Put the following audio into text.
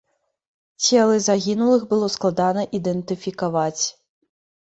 Целы загінулых было складана ідэнтыфікаваць.